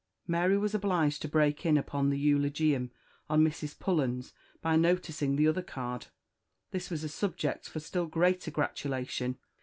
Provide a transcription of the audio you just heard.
Mary was obliged to break in upon the eulogium on Mrs. Pullens by noticing the other card. This was a subject for still greater gratulation.